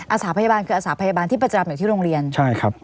สาพยาบาลคืออาสาพยาบาลที่ประจำอยู่ที่โรงเรียนใช่ครับ